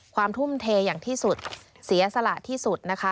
ทุ่มเทอย่างที่สุดเสียสละที่สุดนะคะ